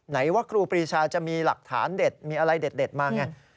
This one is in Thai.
ไหนว่าครูปรีชาจะมีหลักฐานเด็ดมีอะไรเด็ดมาไง